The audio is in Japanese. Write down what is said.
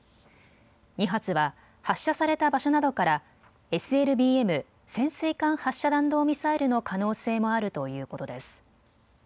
２発は発射された場所などからＳＬＢＭ・潜水艦発射弾道ミサイルの可能性もあるということです。